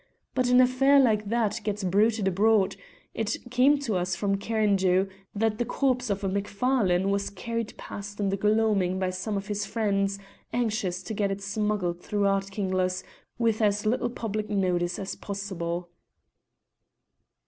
But an affair like that gets bruited abroad: it came to us from Cairndhu that the corpse of a Macfarlane was carried past in the gloaming by some of his friends, anxious to get it smuggled through Ard kinglas with as little public notice as possible."